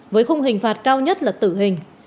với khung hình phạt cao nhất là tử hình